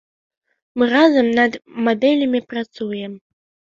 Мы разам над мадэлямі працуем.